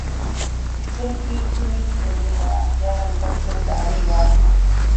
زولفی دوو میتر و نیوه، یارم بهفره و باریوه